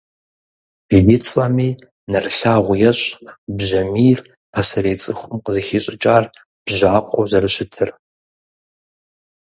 И цӀэми нэрылъагъу ещӀ бжьамийр пасэрей цӀыхум къызыхищӀыкӀар бжьакъуэу зэрыщытыр.